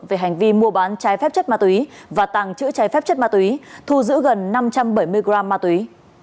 về hành vi mua bán chai phép chất ma túy và tăng chữ chai phép chất ma túy thu giữ gần năm trăm bảy mươi g ma túy